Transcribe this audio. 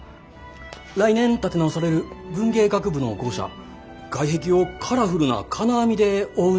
来年建て直される文芸学部の校舎外壁をカラフルな金網で覆うのはどうでしょう？